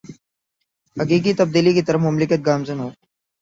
حقیقی تبدیلی کی طرف مملکت گامزن ہو